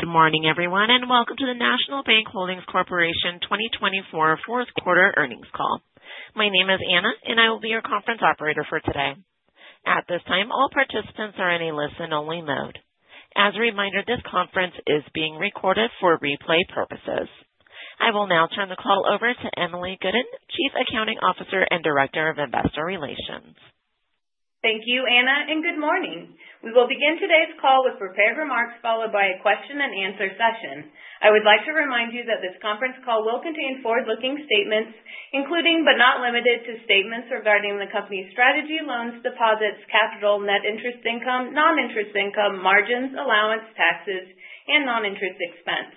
Good morning, everyone, and welcome to the National Bank Holdings Corporation 2024 Fourth Quarter Earnings Call. My name is Anna, and I will be your conference operator for today. At this time, all participants are in a listen-only mode. As a reminder, this conference is being recorded for replay purposes. I will now turn the call over to Emily Gooden, Chief Accounting Officer and Director of Investor Relations. Thank you, Anna, and good morning. We will begin today's call with prepared remarks followed by a question-and-answer session. I would like to remind you that this conference call will contain forward-looking statements, including but not limited to statements regarding the company's strategy, loans, deposits, capital, net interest income, non-interest income, margins, allowance, taxes, and non-interest expense.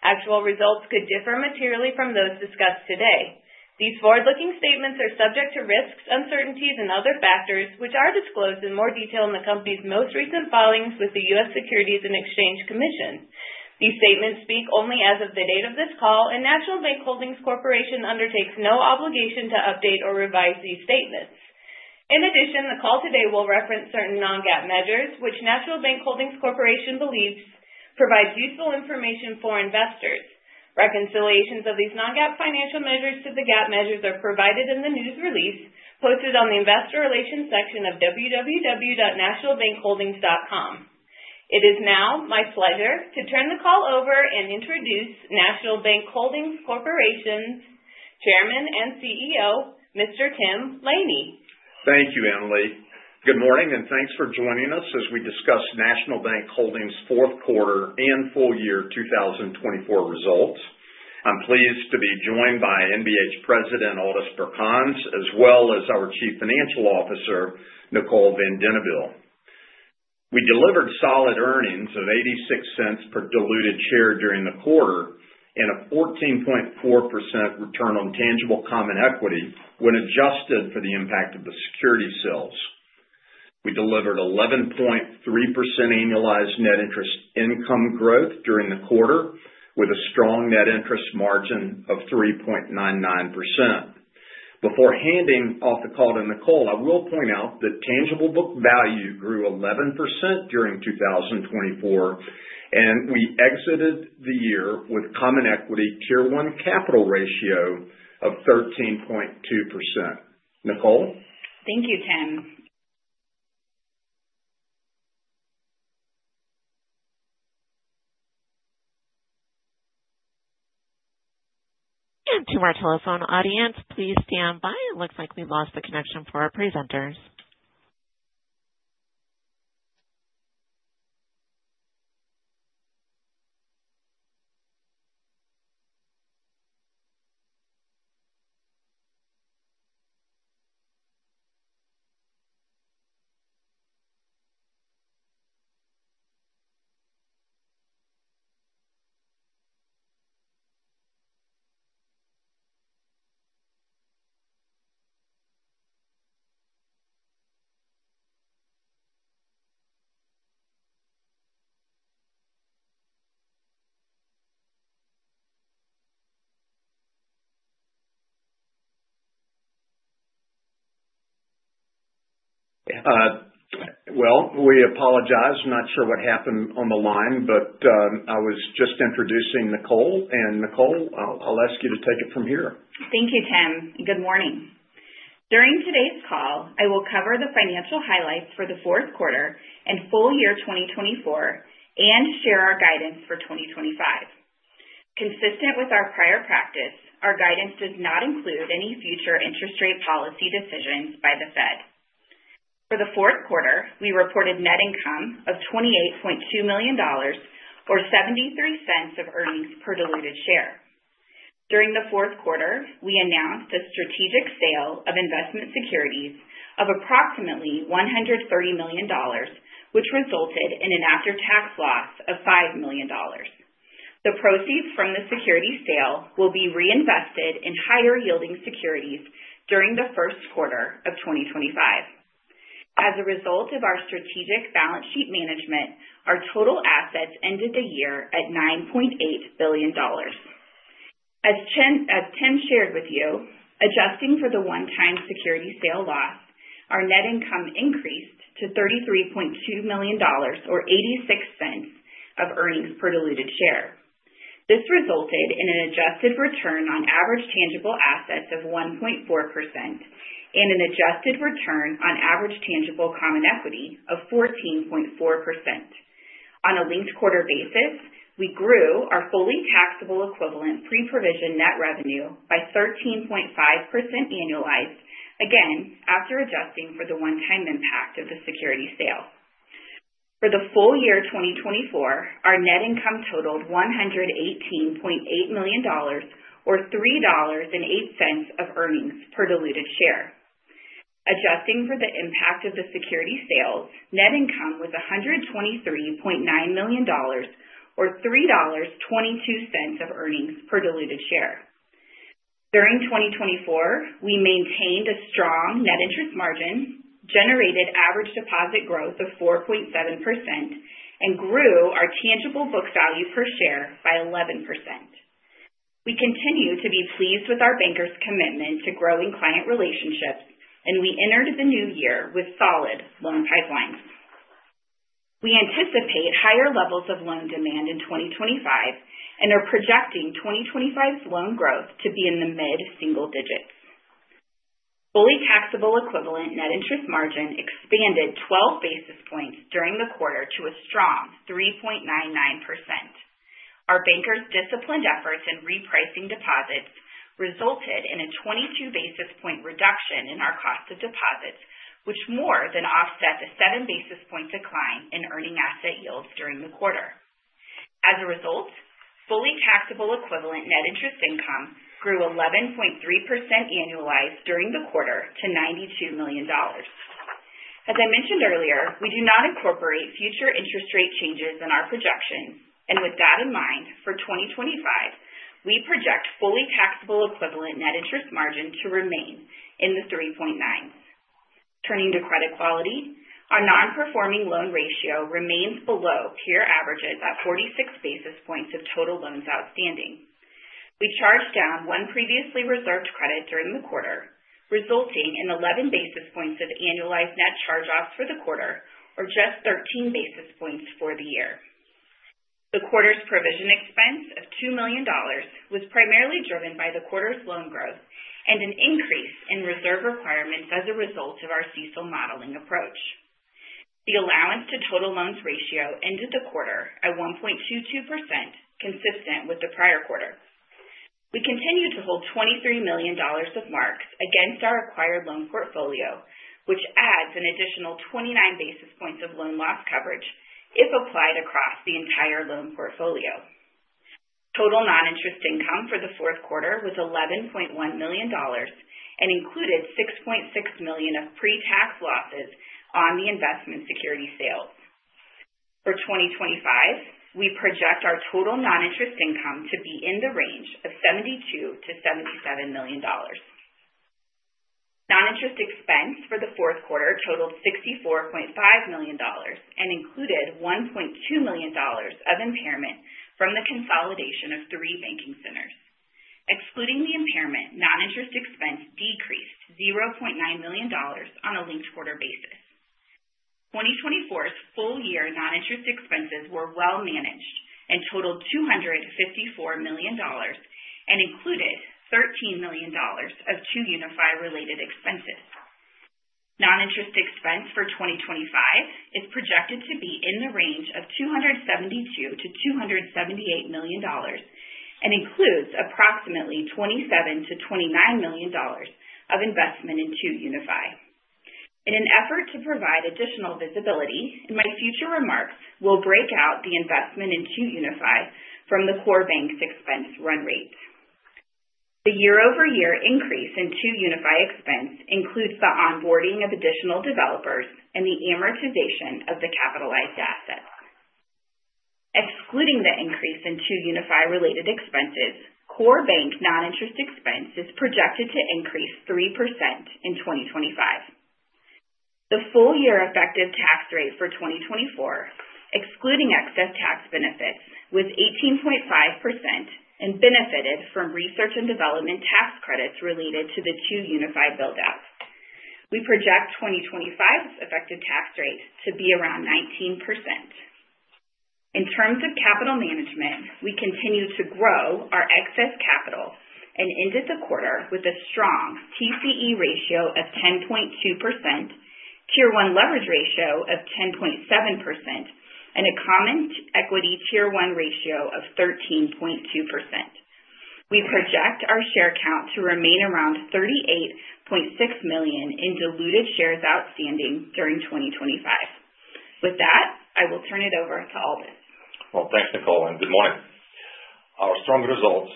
Actual results could differ materially from those discussed today. These forward-looking statements are subject to risks, uncertainties, and other factors, which are disclosed in more detail in the company's most recent filings with the U.S. Securities and Exchange Commission. These statements speak only as of the date of this call, and National Bank Holdings Corporation undertakes no obligation to update or revise these statements. In addition, the call today will reference certain non-GAAP measures, which National Bank Holdings Corporation believes provide useful information for investors. Reconciliations of these non-GAAP financial measures to the GAAP measures are provided in the news release posted on the investor relations section of www.nationalbankholdings.com. It is now my pleasure to turn the call over and introduce National Bank Holdings Corporation's Chairman and CEO, Mr. Tim Laney. Thank you, Emily. Good morning, and thanks for joining us as we discuss National Bank Holdings' fourth quarter and full year 2024 results. I'm pleased to be joined by NBH President Aldis Birkans, as well as our Chief Financial Officer, Nicole Van Dennee. We delivered solid earnings of $0.86 per diluted share during the quarter and a 14.4% return on tangible common equity when adjusted for the impact of the securities sales. We delivered 11.3% annualized net interest income growth during the quarter with a strong net interest margin of 3.99%. Before handing off the call to Nicole, I will point out that tangible book value grew 11% during 2024, and we exited the year with common equity tier one capital ratio of 13.2%. Nicole? Thank you, Tim. To our telephone audience, please stand by. It looks like we lost the connection for our presenters. We apologize. Not sure what happened on the line, but I was just introducing Nicole, and Nicole, I'll ask you to take it from here. Thank you, Tim. Good morning. During today's call, I will cover the financial highlights for the fourth quarter and full year 2024 and share our guidance for 2025. Consistent with our prior practice, our guidance does not include any future interest rate policy decisions by the Fed. For the fourth quarter, we reported net income of $28.2 million or $0.73 of earnings per diluted share. During the fourth quarter, we announced a strategic sale of investment securities of approximately $130 million, which resulted in an after-tax loss of $5 million. The proceeds from the security sale will be reinvested in higher-yielding securities during the first quarter of 2025. As a result of our strategic balance sheet management, our total assets ended the year at $9.8 billion. As Tim shared with you, adjusting for the one-time security sale loss, our net income increased to $33.2 million or $0.86 of earnings per diluted share. This resulted in an adjusted return on average tangible assets of 1.4% and an adjusted return on average tangible common equity of 14.4%. On a linked quarter basis, we grew our fully taxable equivalent pre-provision net revenue by 13.5% annualized, again after adjusting for the one-time impact of the security sale. For the full year 2024, our net income totaled $118.8 million or $3.08 of earnings per diluted share. Adjusting for the impact of the security sales, net income was $123.9 million or $3.22 of earnings per diluted share. During 2024, we maintained a strong net interest margin, generated average deposit growth of 4.7%, and grew our tangible book value per share by 11%. We continue to be pleased with our banker's commitment to growing client relationships, and we entered the new year with solid loan pipelines. We anticipate higher levels of loan demand in 2025 and are projecting 2025's loan growth to be in the mid-single digits. Fully taxable equivalent net interest margin expanded 12 basis points during the quarter to a strong 3.99%. Our banker's disciplined efforts in repricing deposits resulted in a 22 basis point reduction in our cost of deposits, which more than offset the 7 basis point decline in earning asset yields during the quarter. As a result, fully taxable equivalent net interest income grew 11.3% annualized during the quarter to $92 million. As I mentioned earlier, we do not incorporate future interest rate changes in our projections, and with that in mind, for 2025, we project fully taxable equivalent net interest margin to remain in the 3.9s. Turning to credit quality, our non-performing loan ratio remains below peer averages at 46 basis points of total loans outstanding. We charged down one previously reserved credit during the quarter, resulting in 11 basis points of annualized net charge-offs for the quarter, or just 13 basis points for the year. The quarter's provision expense of $2 million was primarily driven by the quarter's loan growth and an increase in reserve requirements as a result of our CECL modeling approach. The allowance to total loans ratio ended the quarter at 1.22%, consistent with the prior quarter. We continue to hold $23 million of marks against our acquired loan portfolio, which adds an additional 29 basis points of loan loss coverage if applied across the entire loan portfolio. Total non-interest income for the fourth quarter was $11.1 million and included $6.6 million of pre-tax losses on the investment security sales. For 2025, we project our total non-interest income to be in the range of $72-$77 million. Non-interest expense for the fourth quarter totaled $64.5 million and included $1.2 million of impairment from the consolidation of three banking centers. Excluding the impairment, non-interest expense decreased $0.9 million on a linked quarter basis. 2024's full year non-interest expenses were well managed and totaled $254 million and included $13 million of 2UniFi related expenses. Non-interest expense for 2025 is projected to be in the range of $272-$278 million and includes approximately $27-$29 million of investment in 2UniFi. In an effort to provide additional visibility, my future remarks will break out the investment in 2UniFi from the core bank's expense run rate. The year-over-year increase in 2UniFi expense includes the onboarding of additional developers and the amortization of the capitalized assets. Excluding the increase in 2UniFi related expenses, core bank non-interest expense is projected to increase 3% in 2025. The full year effective tax rate for 2024, excluding excess tax benefits, was 18.5% and benefited from research and development tax credits related to the 2UniFi build-outs. We project 2025's effective tax rate to be around 19%. In terms of capital management, we continue to grow our excess capital and ended the quarter with a strong TCE ratio of 10.2%, Tier 1 leverage ratio of 10.7%, and a Common Equity Tier 1 ratio of 13.2%. We project our share count to remain around 38.6 million in diluted shares outstanding during 2025. With that, I will turn it over to Aldis. Thanks, Nicole, and good morning. Our strong results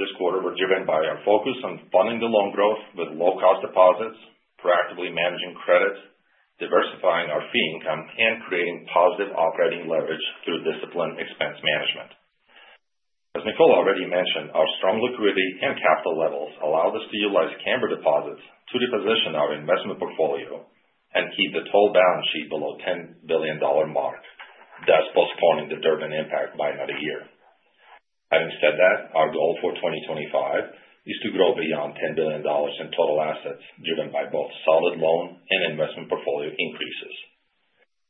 this quarter were driven by our focus on funding the loan growth with low-cost deposits, proactively managing credit, diversifying our fee income, and creating positive operating leverage through disciplined expense management. As Nicole already mentioned, our strong liquidity and capital levels allowed us to utilize Cambr deposits to reposition our investment portfolio and keep the total balance sheet below the $10 billion mark, thus postponing the Durbin impact by another year. Having said that, our goal for 2025 is to grow beyond $10 billion in total assets driven by both solid loan and investment portfolio increases.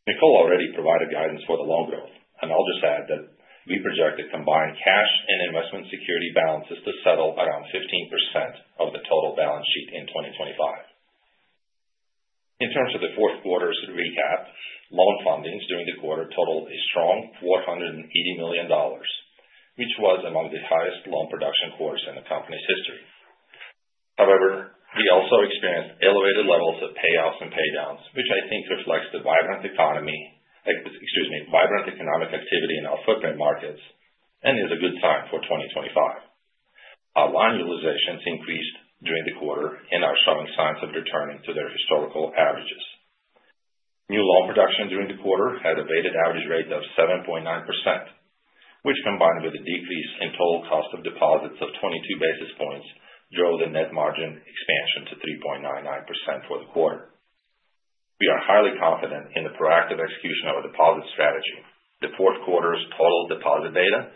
Nicole already provided guidance for the loan growth, and I'll just add that we projected combined cash and investment security balances to settle around 15% of the total balance sheet in 2025. In terms of the fourth quarter's recap, loan fundings during the quarter totaled a strong $480 million, which was among the highest loan production quarters in the company's history. However, we also experienced elevated levels of payoffs and paydowns, which I think reflects the vibrant economic activity in our footprint markets and is a good sign for 2025. Line utilizations increased during the quarter and are showing signs of returning to their historical averages. New loan production during the quarter had a weighted average rate of 7.9%, which combined with a decrease in total cost of deposits of 22 basis points drove the net margin expansion to 3.99% for the quarter. We are highly confident in the proactive execution of our deposit strategy. The fourth quarter's total deposit beta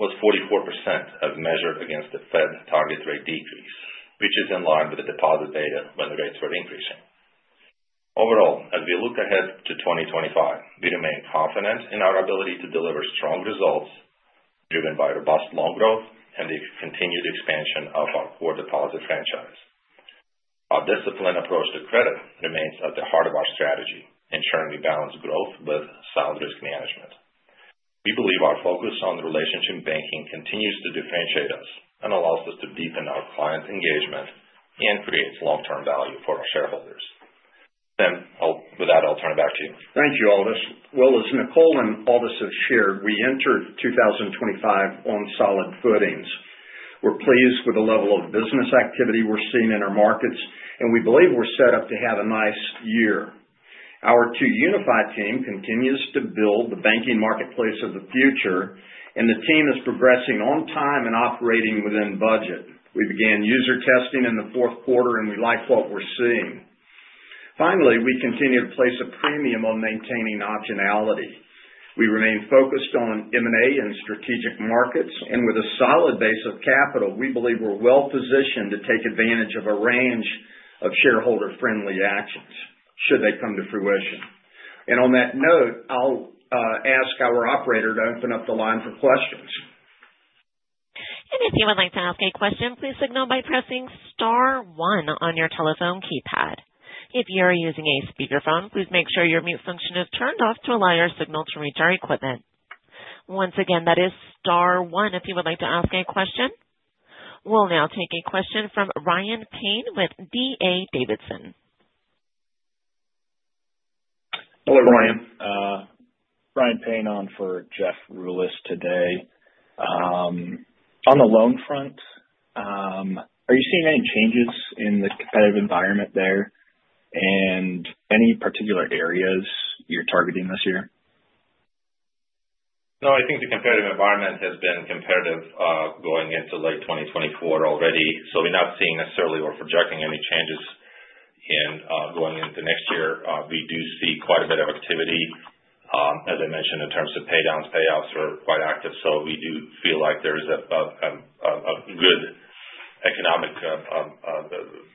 was 44% as measured against the Fed target rate decrease, which is in line with the deposit beta when the rates were increasing. Overall, as we look ahead to 2025, we remain confident in our ability to deliver strong results driven by robust loan growth and the continued expansion of our core deposit franchise. Our disciplined approach to credit remains at the heart of our strategy, ensuring we balance growth with sound risk management. We believe our focus on relationship banking continues to differentiate us and allows us to deepen our client engagement and create long-term value for our shareholders. Tim, with that, I'll turn it back to you. Thank you, Aldis. Well, as Nicole and Aldis have shared, we entered 2025 on solid footings. We're pleased with the level of business activity we're seeing in our markets, and we believe we're set up to have a nice year. Our 2UniFi team continues to build the banking marketplace of the future, and the team is progressing on time and operating within budget. We began user testing in the fourth quarter, and we like what we're seeing. Finally, we continue to place a premium on maintaining optionality. We remain focused on M&A and strategic markets, and with a solid base of capital, we believe we're well positioned to take advantage of a range of shareholder-friendly actions should they come to fruition, and on that note, I'll ask our operator to open up the line for questions. If you would like to ask a question, please signal by pressing Star 1 on your telephone keypad. If you are using a speakerphone, please make sure your mute function is turned off to allow your signal to reach our equipment. Once again, that is Star 1 if you would like to ask a question. We'll now take a question from Ryan Payne with D.A. Davidson. Hello, Ryan. Ryan Payne on for Jeff Rulis today. On the loan front, are you seeing any changes in the competitive environment there and any particular areas you're targeting this year? No, I think the competitive environment has been competitive going into late 2024 already. So we're not seeing necessarily or projecting any changes in going into next year. We do see quite a bit of activity. As I mentioned, in terms of paydowns, payoffs are quite active. So we do feel like there's a good economic environment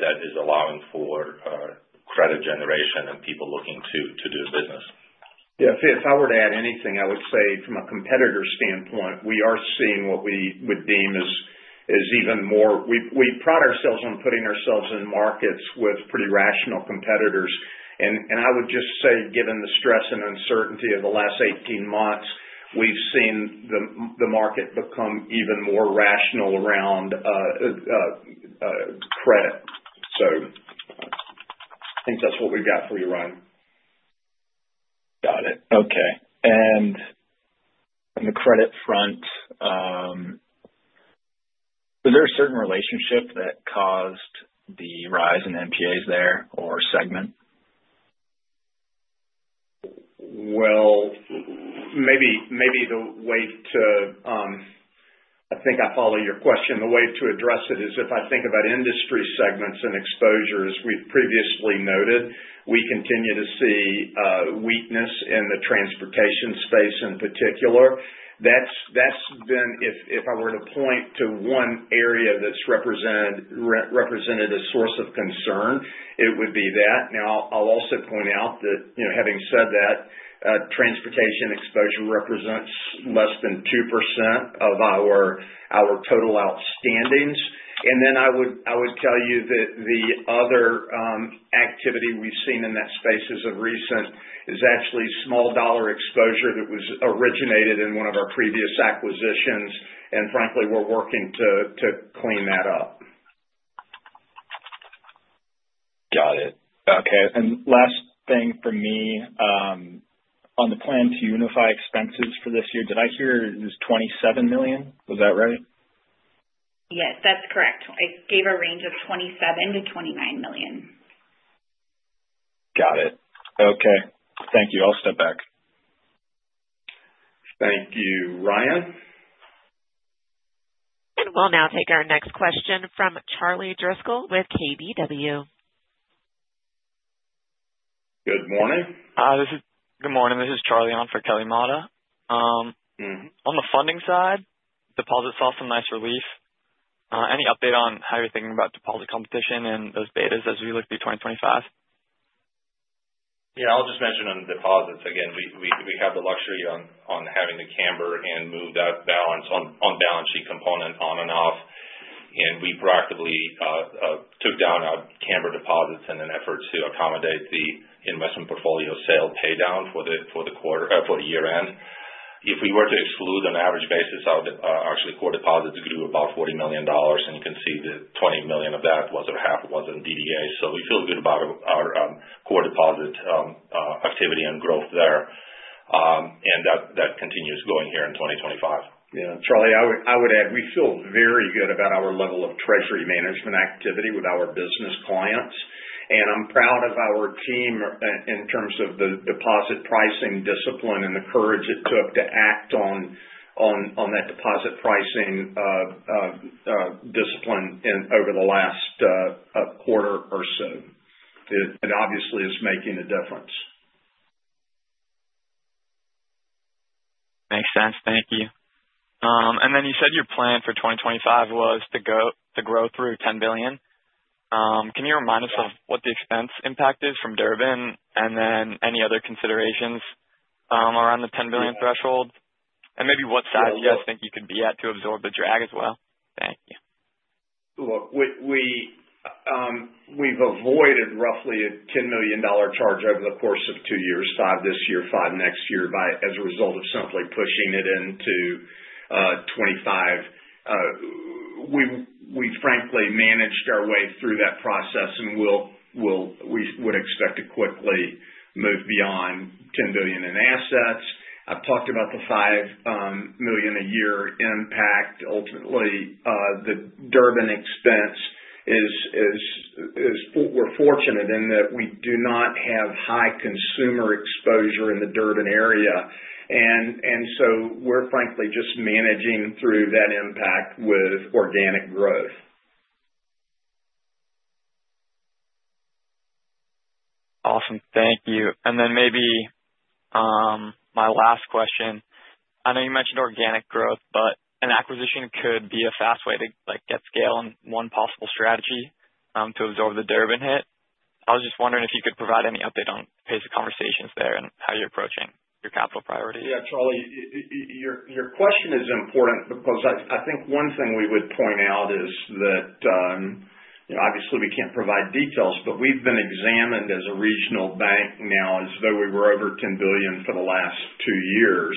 that is allowing for credit generation and people looking to do business. Yeah, if I were to add anything, I would say from a competitor standpoint, we are seeing what we would deem as even more, we pride ourselves on putting ourselves in markets with pretty rational competitors. And I would just say, given the stress and uncertainty of the last 18 months, we've seen the market become even more rational around credit. So I think that's what we've got for you, Ryan. Got it. Okay. And on the credit front, was there a certain relationship that caused the rise in NPAs there or segment? Maybe the way to, I think I follow your question. The way to address it is if I think about industry segments and exposures we've previously noted, we continue to see weakness in the transportation space in particular. That's been, if I were to point to one area that's represented a source of concern, it would be that. Now, I'll also point out that having said that, transportation exposure represents less than 2% of our total outstandings. And then I would tell you that the other activity we've seen in that space as of recent is actually small-dollar exposure that originated in one of our previous acquisitions. And frankly, we're working to clean that up. Got it. Okay. And last thing for me, on the plan to unify expenses for this year, did I hear it was $27 million? Was that right? Yes, that's correct. I gave a range of $27-$29 million. Got it. Okay. Thank you. I'll step back. Thank you, Ryan. We'll now take our next question from Charlie Driscoll with KBW. Good morning. Good morning. This is Charlie on for Kelly Motta. On the funding side, deposits saw some nice relief. Any update on how you're thinking about deposit competition and those betas as we look through 2025? Yeah, I'll just mention on the deposits. Again, we have the luxury on having the Cambr and move that balance on balance sheet component on and off. And we proactively took down our Cambr deposits in an effort to accommodate the investment portfolio sale paydown for the year-end. If we were to exclude on average basis, actually core deposits grew about $40 million. And you can see that $20 million of that wasn't DDA. So we feel good about our core deposit activity and growth there. And that continues going here in 2025. Yeah. Charlie, I would add we feel very good about our level of treasury management activity with our business clients. And I'm proud of our team in terms of the deposit pricing discipline and the courage it took to act on that deposit pricing discipline over the last quarter or so. It obviously is making a difference. Makes sense. Thank you. And then you said your plan for 2025 was to grow through $10 billion. Can you remind us of what the expense impact is from Durbin and then any other considerations around the $10 billion threshold? And maybe what size do you guys think you could be at to absorb the drag as well? Thank you. Look, we've avoided roughly a $10 million charge over the course of two years, $5 million this year, $5 million next year as a result of simply pushing it into 2025. We frankly managed our way through that process and we would expect to quickly move beyond $10 billion in assets. I've talked about the $5 million a year impact. Ultimately, the Durbin expense is. We're fortunate in that we do not have high consumer exposure in the Durbin area. And so we're frankly just managing through that impact with organic growth. Awesome. Thank you. And then maybe my last question. I know you mentioned organic growth, but an acquisition could be a fast way to get scale and one possible strategy to absorb the Durbin hit. I was just wondering if you could provide any update on the pace of conversations there and how you're approaching your capital priorities. Yeah, Charlie, your question is important because I think one thing we would point out is that obviously we can't provide details, but we've been examined as a regional bank now as though we were over 10 billion for the last two years.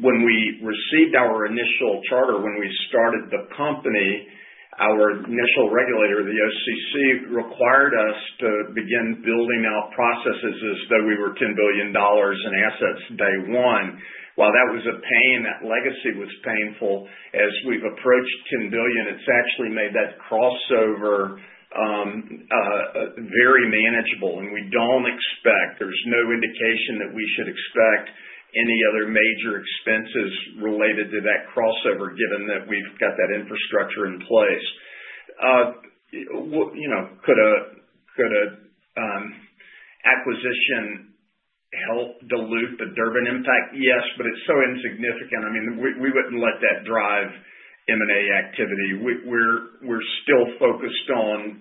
When we received our initial charter, when we started the company, our initial regulator, the OCC, required us to begin building out processes as though we were $10 billion in assets day one. While that was a pain, that legacy was painful. As we've approached 10 billion, it's actually made that crossover very manageable. And we don't expect. There's no indication that we should expect any other major expenses related to that crossover given that we've got that infrastructure in place. Could an acquisition help dilute the Durbin impact? Yes, but it's so insignificant. I mean, we wouldn't let that drive M&A activity. We're still focused on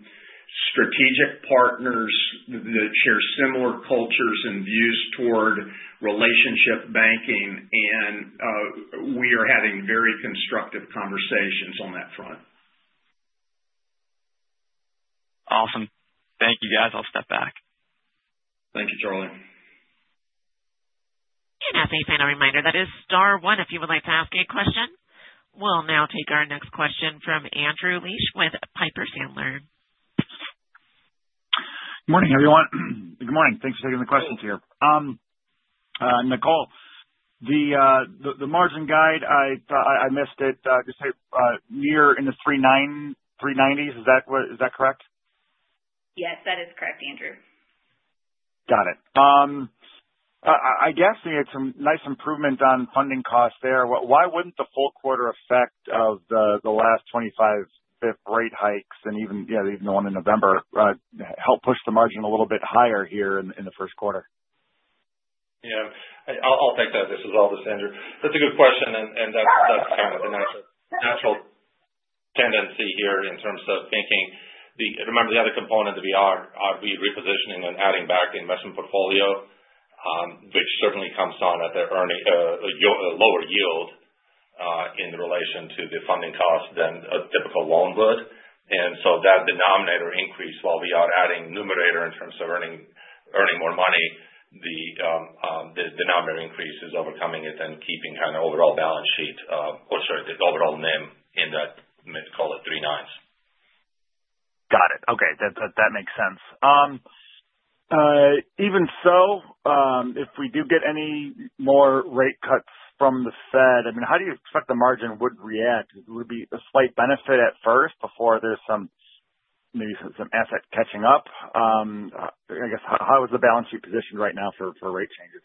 strategic partners that share similar cultures and views toward relationship banking, and we are having very constructive conversations on that front. Awesome. Thank you, guys. I'll step back. Thank you, Charlie. As a final reminder, that is Star 1 if you would like to ask a question. We'll now take our next question from Andrew Liesch with Piper Sandler. Good morning, everyone. Good morning. Thanks for taking the questions here. Nicole, the margin guide, I missed it. Just say year in the 390s, is that correct? Yes, that is correct, Andrew. Got it. I guess we had some nice improvement on funding costs there. Why wouldn't the full quarter effect of the last 25 basis point rate hikes and even the one in November help push the margin a little bit higher here in the first quarter? Yeah. I'll take that. This is Aldis, Andrew. That's a good question. And that's kind of the natural tendency here in terms of thinking. Remember, the other component that we are repositioning and adding back the investment portfolio, which certainly comes on at a lower yield in relation to the funding cost than a typical loan would. And so that denominator increase while we are adding numerator in terms of earning more money, the denominator increase is overcoming it and keeping kind of overall balance sheet or sorry, the overall NIM in that call it 39s. Got it. Okay. That makes sense. Even so, if we do get any more rate cuts from the Fed, I mean, how do you expect the margin would react? Would it be a slight benefit at first before there's maybe some asset catching up? I guess, how is the balance sheet positioned right now for rate changes?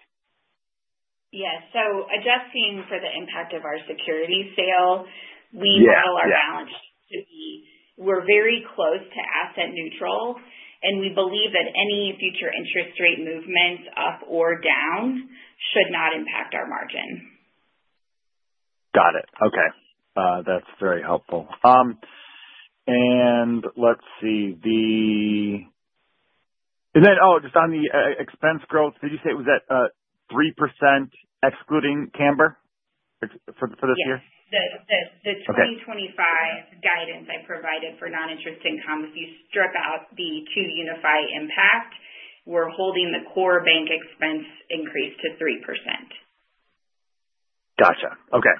Yes, so adjusting for the impact of our security sale, we know our balance sheet to be, we're very close to asset neutral, and we believe that any future interest rate movement up or down should not impact our margin. Got it. Okay. That's very helpful. And let's see. And then, oh, just on the expense growth, did you say it was at 3% excluding Cambr for this year? Yes. The 2025 guidance I provided for non-interest income, if you strip out the 2UniFi impact, we're holding the core bank expense increase to 3%. Gotcha. Okay.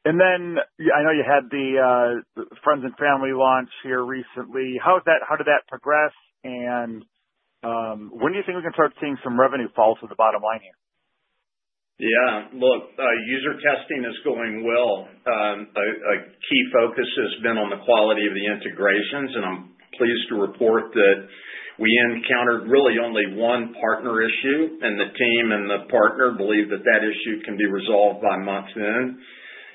And then I know you had the friends and family launch here recently. How did that progress? And when do you think we can start seeing some revenue fall to the bottom line here? Yeah. Look, user testing is going well. A key focus has been on the quality of the integrations, and I'm pleased to report that we encountered really only one partner issue, and the team and the partner believe that that issue can be resolved by month's end.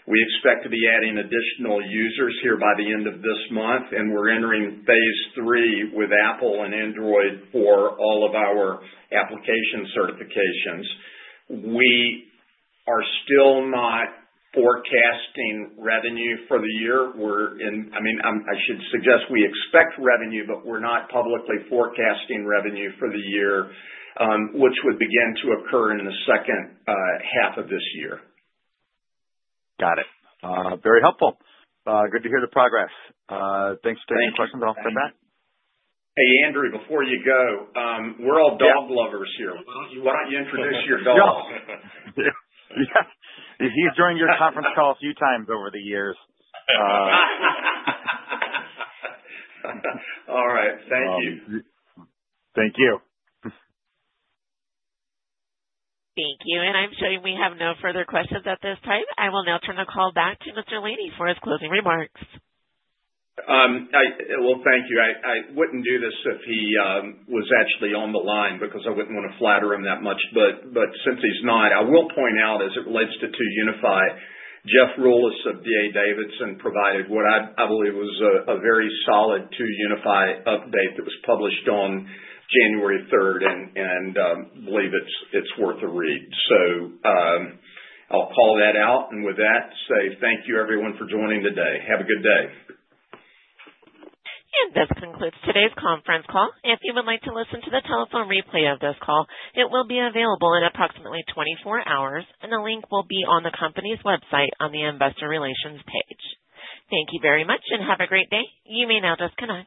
We expect to be adding additional users here by the end of this month, and we're entering phase three with Apple and Android for all of our application certifications. We are still not forecasting revenue for the year. I mean, I should suggest we expect revenue, but we're not publicly forecasting revenue for the year, which would begin to occur in the second half of this year. Got it. Very helpful. Good to hear the progress. Thanks for taking the questions. I'll step back. Hey, Andrew, before you go, we're all dog lovers here. Why don't you introduce your dog? He's joined your conference call a few times over the years. All right. Thank you. Thank you. Thank you. And I'm sure we have no further questions at this time. I will now turn the call back to Mr. Laney for his closing remarks. Well, thank you. I wouldn't do this if he was actually on the line because I wouldn't want to flatter him that much. But since he's not, I will point out as it relates to 2UniFi, Jeff Rulis of D.A. Davidson provided what I believe was a very solid 2UniFi update that was published on January 3rd. And I believe it's worth a read. So I'll call that out. And with that, say thank you, everyone, for joining today. Have a good day. This concludes today's conference call. If you would like to listen to the telephone replay of this call, it will be available in approximately 24 hours. The link will be on the company's website on the investor relations page. Thank you very much and have a great day. You may now disconnect.